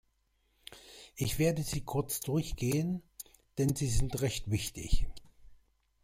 Ich werde sie kurz durchgehen, denn sie sind recht wichtig.